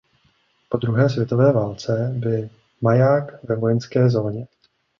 Po druhé světové válce by maják ve vojenské zóně.